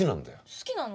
好きなの？